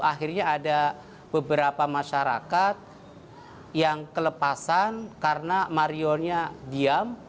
akhirnya ada beberapa masyarakat yang kelepasan karena marionnya diam